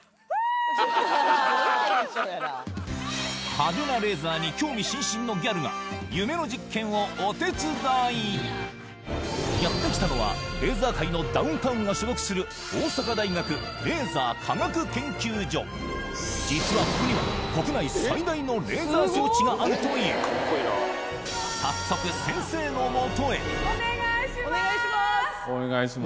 派手なレーザーに興味津々のギャルが夢の実験をお手伝いやってきたのはレーザー界のダウンタウンが所属する大阪大学レーザー科学研究所実はここにはがあるという早速お願いしまーすお願いしまーすお願いします